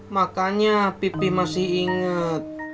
makanya pipi masih inget